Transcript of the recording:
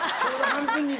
半分に。